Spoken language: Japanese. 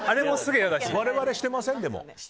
我々、してません？